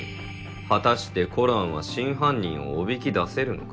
果たしてコランは真犯人をおびき出せるのか？」